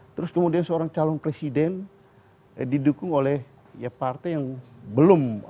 terus kemudian seorang calon presiden didukung oleh ya partai yang belum